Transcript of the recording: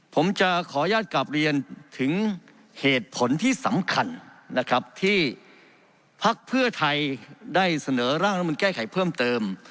ผมจะขออนุญาตกลับเรียนถึงเหตุผลที่สำคัญนะครับที่พักเพื่อไทยได้เสนอร่างรัฐมนแก้ไขเพิ่มเติม